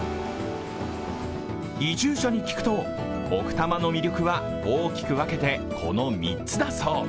移住者に聞くと、奥多摩の魅力は大きく分けて、この３つだそう。